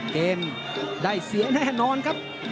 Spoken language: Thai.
เกมได้เสียแน่นอนครับ